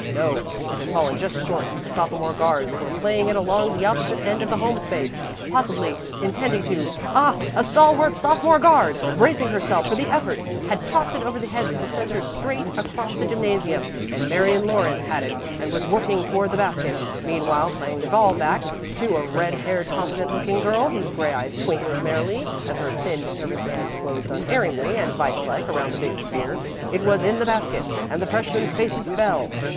No, it had fallen just short and the sophomore guards were playing it along to the opposite end of the home space, possibly intending to Ah! a stalwart sophomore guard, bracing herself for the effort, had tossed it over the heads of the centres straight across the gymnasium, and Marion Lawrence had it and was working toward the basket, meanwhile playing the ball back to a red haired competent looking girl whose gray eyes twinkled merrily as her thin, nervous hands closed unerringly and vice like around the big sphere. It was in the basket, and the freshmen's faces fell.